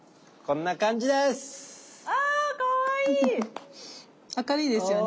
こんな感じです。